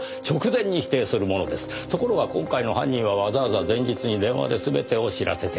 ところが今回の犯人はわざわざ前日に電話で全てを知らせてきた。